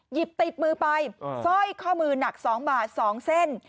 หยิบติดมือไปสร้อยข้อมือหนัก๒บาท๒เส้น